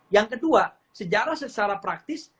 yang kedua sejarah secara praktis